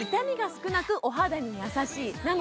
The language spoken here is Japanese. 痛みが少なくお肌に優しい。